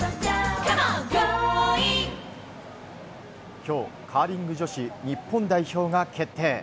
今日、カーリング女子日本代表が決定。